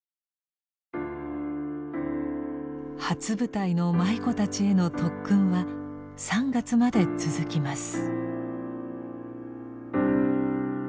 初舞台の舞妓たちへの特訓は３月まで続きます。